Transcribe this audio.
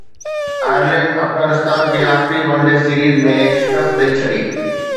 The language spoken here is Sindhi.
آئرلينڊ افغانستان کي آخري ون ڊي سيريز ۾ شڪست ڏئي ڇڏي